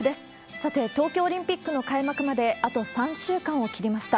さて、東京オリンピックの開幕まで、あと３週間を切りました。